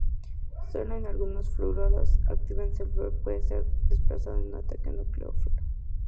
Sólo en algunos fluoruros activados el flúor puede ser desplazado en un ataque nucleófilo.